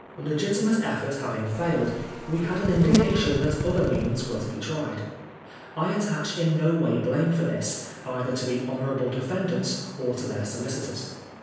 Legitimate effort having failed, we had an indication that other means were to be tried. I attach in no way blame for this, either to the honour able defendants or to theij solicitors.